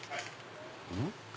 うん？